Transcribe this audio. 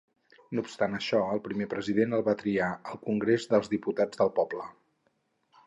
No obstant això, el primer president el van triar el Congrés dels Diputats del Poble.